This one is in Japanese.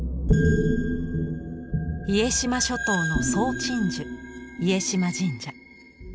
家島諸島の総鎮守家島神社。